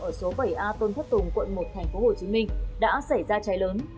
ở số bảy a tôn thất tùng quận một tp hcm đã xảy ra cháy lớn